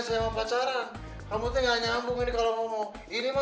gitu topik raya dan sakit hati tapi